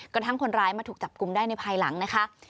กระทั่งคนร้ายมาถูกจับกลุ่มได้ในภายหลังนะคะ